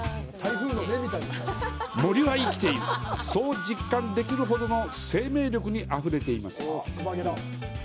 「森は生きている」そう実感できるほどの生命力にあふれています。